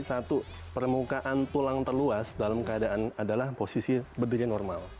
satu permukaan tulang terluas dalam keadaan adalah posisi berdiri normal